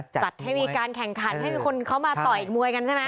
จัดให้มีการแข่งขันให้มีคนเขามาต่อยมวยกันใช่ไหม